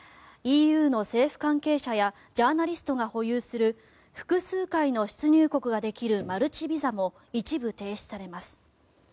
ＥＵの政府関係者やジャーナリストが保有する複数回の出入国ができるマルチビザも一部停止されます。